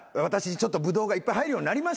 ちょっとブドウがいっぱい入るようになりました。